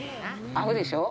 合うでしょう？